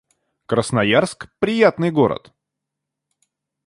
Красноярск — приятный город